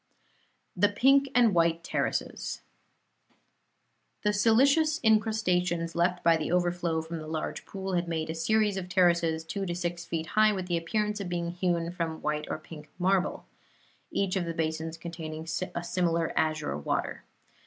THE PINK AND WHITE TERRACES The silicious incrustations left by the overflow from the large pool had made a series of terraces, two to six feet high, with the appearance of being hewn from white or pink marble; each of the basins containing a similar azure water.